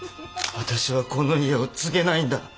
私はこの家を継げないんだ。